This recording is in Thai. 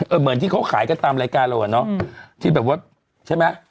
เหมือนที่เขาขายกันตามรายการเราอ่ะเนอะที่แบบว่าใช่ไหม